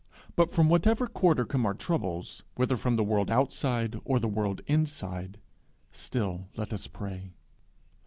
But from whatever quarter come our troubles, whether from the world outside or the world inside, still let us pray.